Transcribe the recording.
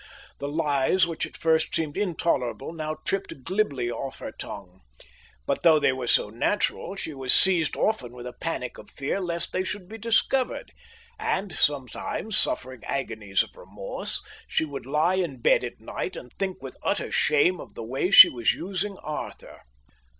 The lies which at first seemed intolerable now tripped glibly off her tongue. But though they were so natural, she was seized often with a panic of fear lest they should be discovered; and sometimes, suffering agonies of remorse, she would lie in bed at night and think with utter shame of the way she was using Arthur.